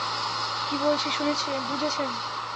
কী বলছি বুঝেছেন?